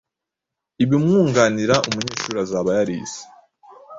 ibimwunganira umunyeshuri azaba yarize,